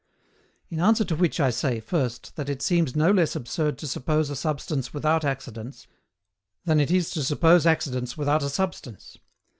In answer to which I say, first, that it seems no less absurd to suppose a substance without accidents, than it is to suppose accidents without a substance.